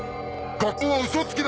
学校はウソつきだ！